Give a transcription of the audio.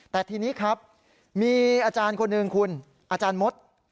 แต่ทีนี้ครับมีอาจารย์คนหนึ่งคุณอาจารย์มด